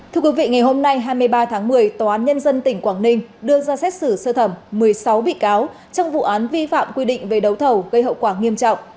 thưa quý vị ngày hôm nay hai mươi ba tháng một mươi tòa án nhân dân tỉnh quảng ninh đưa ra xét xử sơ thẩm một mươi sáu bị cáo trong vụ án vi phạm quy định về đấu thầu gây hậu quả nghiêm trọng